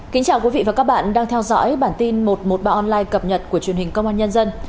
chào mừng quý vị đến với bản tin một trăm một mươi ba online cập nhật của truyền hình công an nhân dân